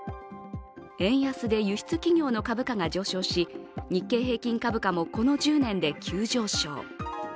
円安で輸出企業の株価が上昇し、日経平均株価もこの１０年で急上昇。